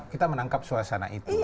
kita menangkap suasana itu